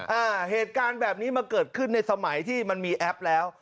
อ่าเหตุการณ์แบบนี้มาเกิดขึ้นในสมัยที่มันมีแอปแล้ว